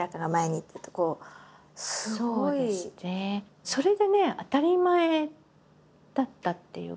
すごい。それがね当たり前だったっていうか。